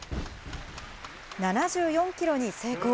７４キロに成功。